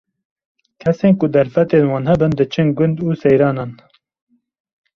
Kesên ku derfetên wan hebin, diçin gund û seyranan.